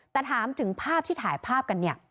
แต่ถามถึงภาพที่ถ่ายภาพกันเนี่ย